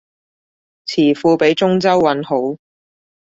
詞庫畀中州韻好